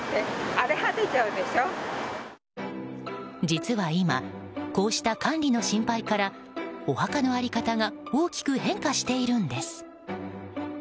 実は今、こうした管理の心配からお墓の在り方が大きく変化しているんです。